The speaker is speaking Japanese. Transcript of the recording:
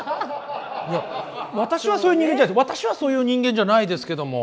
いや私はそういう人間じゃ私はそういう人間じゃないですけども。